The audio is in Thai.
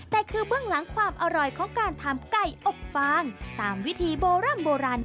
แต่คือเบื้องหลังความอร่อยของการทำไก่อบฟางตามวิธีโบร่ำโบราณ